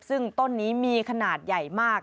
ซึ่งต้นนี้มีขนาดใหญ่มาก